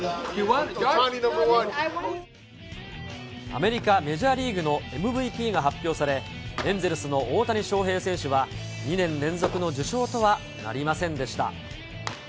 アメリカメジャーリーグのＭＶＰが発表され、エンゼルスの大谷翔平選手は、２年連続の受賞とはなりませんでした。